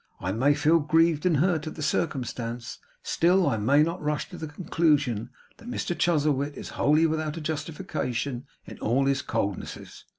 I may feel grieved and hurt at the circumstance; still I may not rush to the conclusion that Mr Chuzzlewit is wholly without a justification in all his coldnesses.